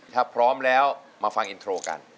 ถ้าพร้อมแล้วมาฟังอินโทรกัน